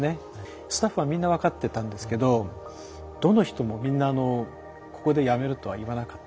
スタッフはみんな分かってたんですけどどの人もみんなここでやめるとは言わなかった。